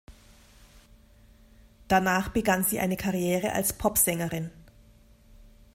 Danach begann sie eine Karriere als Pop-Sängerin.